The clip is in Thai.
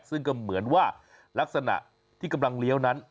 ซึ่งก็เหมือนว่าลักษณะที่กำลังเลี้ยวนั้น